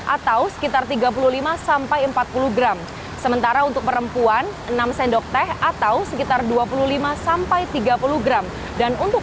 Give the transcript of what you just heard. atau sekitar tiga puluh lima sampai empat puluh gram sementara untuk perempuan enam sendok teh atau sekitar dua puluh lima sampai tiga puluh gram dan untuk